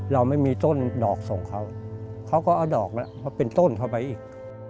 เราไม่มีต้นดอกส่งเขาเขาก็เอาดอกแล้วมาเป็นต้นเข้าไปอีก